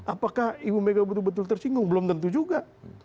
apakah ibu mega betul betul tersinggung belum tentu juga